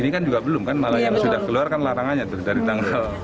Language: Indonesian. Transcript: ini kan juga belum kan malah yang sudah keluar kan larangannya tuh dari tanggal